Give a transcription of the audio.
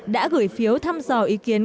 đã gửi phiếu thăm dò ý kiến